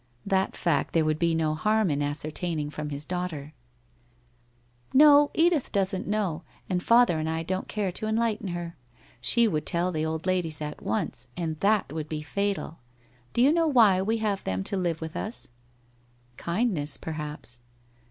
That fact there would be no harm in aecertaining from his daughter. ' JSTo, Edith doesn't know, and father and I don't care to enlighten her. She would tell the old ladies at once, and that would be fatal. Do you know why we have them to live with us ?'' Kindness, perhaps.'